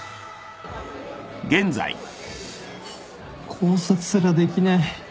考察すらできない。